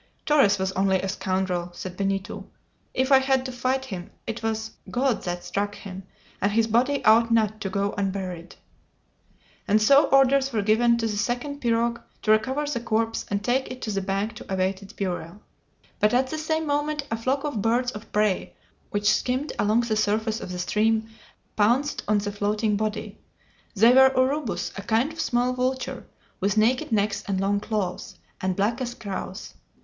"Torres was only a scoundrel," said Benito. "If I had to fight him, it was God that struck him, and his body ought not to go unburied!" And so orders were given to the second pirogue to recover the corpse, and take it to the bank to await its burial. But at the same moment a flock of birds of prey, which skimmed along the surface of the stream, pounced on the floating body. They were urubus, a kind of small vulture, with naked necks and long claws, and black as crows.